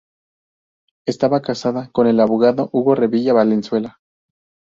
Estaba casada con el abogado Hugo Revilla Valenzuela.